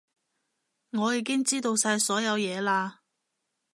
我已經知道晒所有嘢嘞